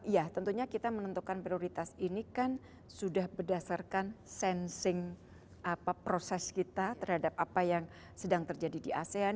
ya tentunya kita menentukan prioritas ini kan sudah berdasarkan sensing proses kita terhadap apa yang sedang terjadi di asean